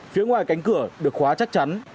phía ngoài cánh cửa được khóa chắc chắn